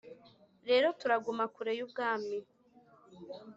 rero turaguma kure yubwami